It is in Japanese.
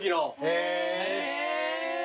へえ。